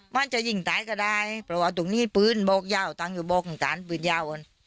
มันจะยิ่งตายก็ได้เพราะว่าตรงนี้พื้นโบกยาวตังอยู่โบกของกันพื้นยาว